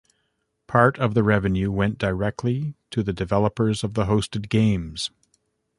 Part of the revenue went directly to the developers of the hosted games.